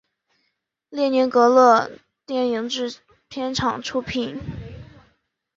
列宁格勒电影制片厂出品。